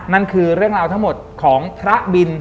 นั่นคือเรื่องราวทั้งหมดของพระบิน